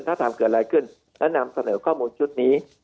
ถ้าทำเกิดอะไรขึ้นและนำเสนอข้อมูลชุดนี้